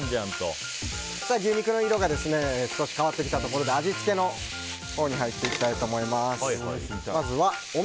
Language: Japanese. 牛肉の色が少し変わってきたところで味付けに入っていきたいと思います。